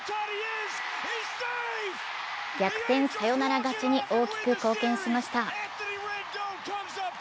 逆転サヨナラ勝ちに大きく貢献しました。